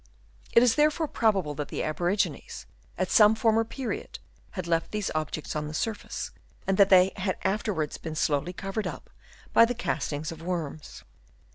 It is therefore probable that the aborigines, at some former period, had left these objects on the surface, and that they had afterwards been slowly covered up by the castings of worms.